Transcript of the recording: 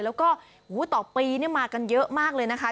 แล้วก็ต่อปีมากันเยอะมากเลยนะคะ